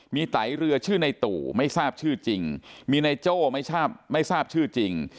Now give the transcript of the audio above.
มีไตเรือชื่อในตู่ไม่ทราบชื่อจริงมีนายโจ้ไม่ทราบชื่อจริง